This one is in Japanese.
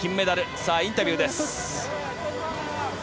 さあ、インタビューです。